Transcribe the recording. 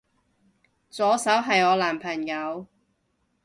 左手係我男朋友